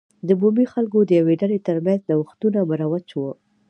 د بومي خلکو د یوې ډلې ترمنځ نوښتونه مروج و.